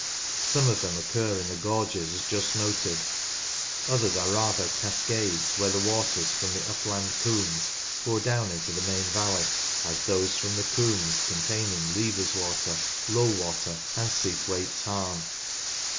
Some of them occur in the gorges as just noted, others are rather cascades where the waters from the upland combes pour down into the main valley, as those from the combes containing Levers Water, Low Water, and Seathwaite Tarn.